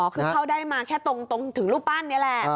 คือเข้าได้มาแค่ตรงถึงรูปปั้นนี่แหละ